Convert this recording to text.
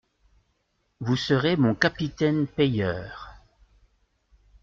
Vous serez mon capitaine payeur…